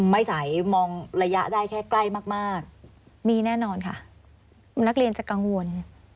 ไม่ใสมองระยะได้แค่ใกล้มากมากมีแน่นอนค่ะนักเรียนจะกังวล